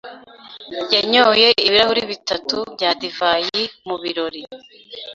yanyoye ibirahuri bitatu bya divayi mu birori.